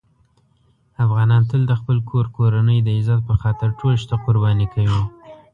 افغانان تل د خپل کور کورنۍ د عزت په خاطر ټول شته قرباني کوي.